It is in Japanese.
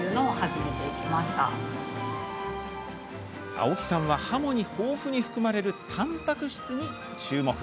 青木さんはハモに豊富に含まれるたんぱく質に注目。